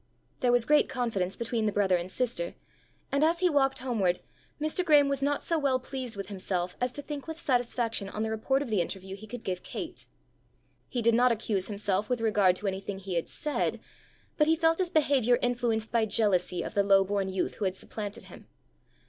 There was great confidence between the brother and sister, and as he walked homeward, Mr. Graeme was not so well pleased with himself as to think with satisfaction on the report of the interview he could give Kate. He did not accuse himself with regard to anything he had said, but he felt his behaviour influenced by jealousy of the low born youth who had supplanted him.